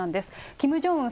キム・ジョンウン